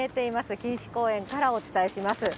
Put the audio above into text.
錦糸公園からお伝えします。